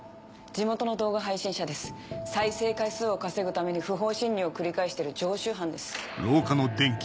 地元の動画配信者です再生回数を稼ぐために不法侵入を繰り返してる常習犯です。